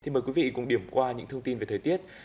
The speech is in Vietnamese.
thì mời quý vị cùng điểm qua những thông tin về thời tiết